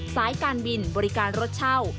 สายการบินบริการรถเช่า